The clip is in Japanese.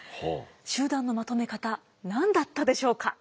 集団のまとめ方何だったでしょうか。